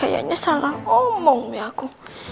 kayaknya salah ngomong ya aku